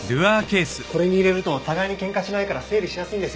これに入れると互いに喧嘩しないから整理しやすいんですよ。